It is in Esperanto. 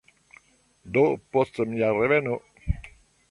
Do, post mia reveno